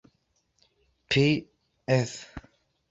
Pl., Ed.